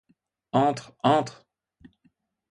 Entre, entre.